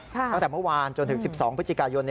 ตั้งแต่เมื่อวานจนถึง๑๒พฤศจิกายน